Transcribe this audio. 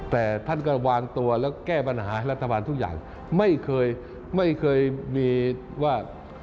แต่ท่านก็วางตัวแล้วแก้ปัญหาให้รัฐบาลทุกอย่างไม่เคยไม่เคยมีว่า